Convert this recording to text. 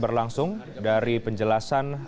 berlangsung dari penjelasan